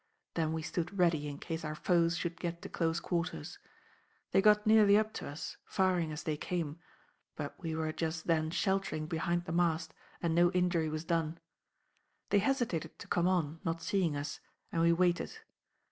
Then we stood ready in case our foes should get to close quarters. They got nearly up to us, firing as they came; but we were just then sheltering behind the mast and no injury was done. They hesitated to come on, not seeing us; and we waited.